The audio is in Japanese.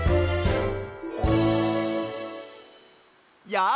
やあ！